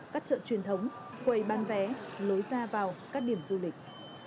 các chợ truyền thống quầy bán vé lối ra vào các điểm du lịch